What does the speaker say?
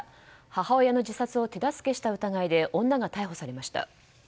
母親の自殺を手助けした疑いで女が逮捕されました。